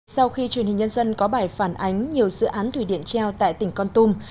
sau khi truyền hình nhân dân có bài phản ánh nhiều dự án thủy điện treo tại tỉnh con tum